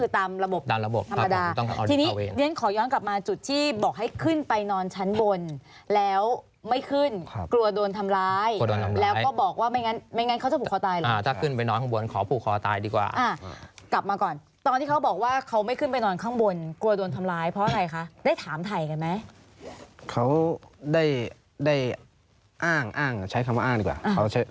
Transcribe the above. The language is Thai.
ตามข่าวเขาพ่ายหัวกันบอกว่าเขาอ้างตัวเป็นสายตำรวจ